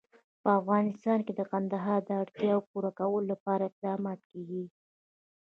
په افغانستان کې د کندهار د اړتیاوو پوره کولو لپاره اقدامات کېږي.